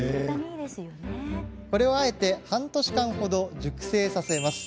これをあえて半年間程熟成させます。